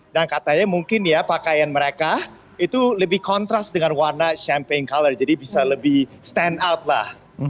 dan katanya mungkin ya pakaian mereka itu lebih kontras dengan warna champagne color jadi bisa lebih stand out lah